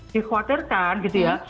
dikhawatirkan gitu ya